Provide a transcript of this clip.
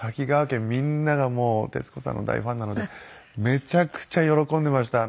家みんながもう徹子さんの大ファンなのでめちゃくちゃ喜んでました